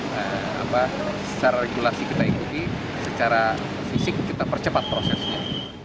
nah secara regulasi kita ikuti secara fisik kita percepat prosesnya